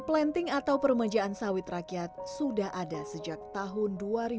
replanting atau permajaan sawit rakyat sudah ada sejak tahun dua ribu lima belas